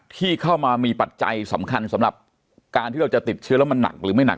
ที่เข้ามามีปัจจัยสำคัญสำหรับการที่เราจะติดเชื้อแล้วมันหนักหรือไม่หนัก